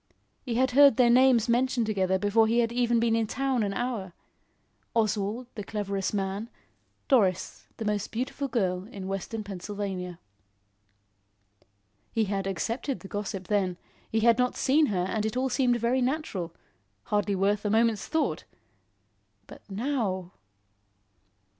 He had heard their names mentioned together before he had been in town an hour. Oswald, the cleverest man, Doris, the most beautiful girl in Western Pennsylvania. He had accepted the gossip then; he had not seen her and it all seemed very natural; hardly worth a moment's thought. But now!